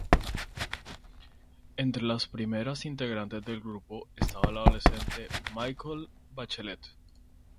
Entre las primeras integrantes del grupo estaba la adolescente Michelle Bachelet.